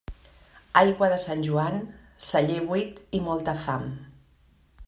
Aigua de Sant Joan, celler buit i molta fam.